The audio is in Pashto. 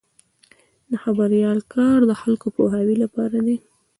د خبریال کار د خلکو د پوهاوي لپاره دی.